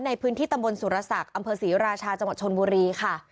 ในพื้นที่ตำบลสุรศักดิ์อำเภอศรีราชาจังหวัดชนบุรีค่ะ